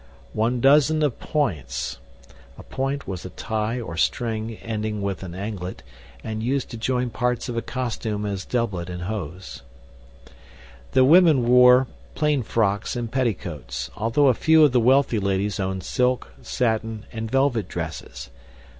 One doozen of points [a point was a tie or string ending with an anglet and used to join parts of a costume as doublet and hose]." The women wore plain frocks and petticoats, although a few of the wealthy ladies owned silk, satin, and velvet dresses.